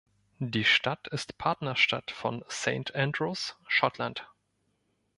Die Stadt ist Partnerstadt von Saint Andrews, Schottland.